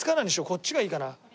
こっちがいいかな。